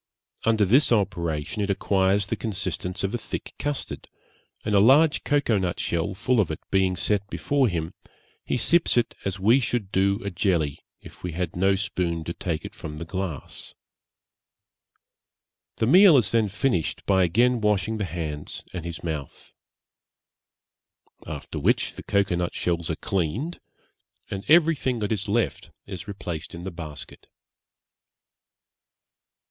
Under this operation it acquires the consistence of a thick custard, and a large cocoa nut shell full of it being set before him, he sips it as we should do a jelly if we had no spoon to take it from the glass. The meal is then finished by again washing his hands and his mouth. After which the cocoa nut shells are cleaned, and everything that is left is replaced in the basket.'